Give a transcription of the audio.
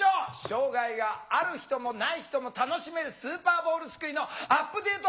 障害がある人もない人も楽しめるスーパーボールすくいのアップデート案は？